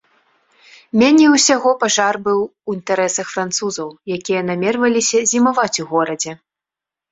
Меней усяго пажар быў у інтарэсах французаў, якія намерваліся зімаваць у горадзе.